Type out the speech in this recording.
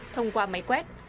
thông qua máy quét